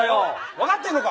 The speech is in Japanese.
分かってんのか？